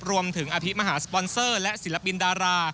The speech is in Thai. รวมถึงอภิมฮาสปอนเซอร์และศิลปินดารา